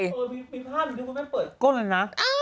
มีภาพดูที่มันเปิดก้นเลยนะ